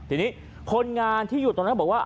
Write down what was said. ทีนี้คนงานที่อยู่ตรงนั้นบอกว่า